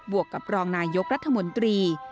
วกกับรองนายกรัฐมนตรี